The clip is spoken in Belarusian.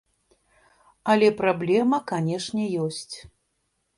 Але праблема, канешне, ёсць.